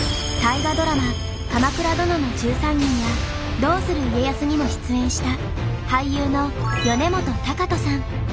「鎌倉殿の１３人」や「どうする家康」にも出演した俳優の米本学仁さん。